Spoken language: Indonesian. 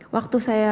waktu saya sadar